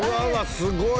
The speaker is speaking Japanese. すごい！